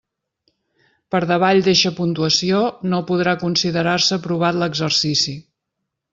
Per davall d'eixa puntuació no podrà considerar-se aprovat l'exercici.